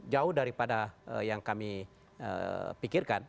jauh daripada yang kami pikirkan